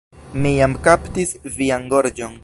Mi jam kaptis vian gorĝon.